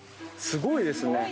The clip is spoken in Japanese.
すごいです。